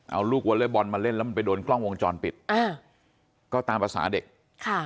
เอาลูกวอเล็กบอลมาเล่นแล้วมันไปโดนกล้องวงจรปิดอ่าก็ตามภาษาเด็กค่ะ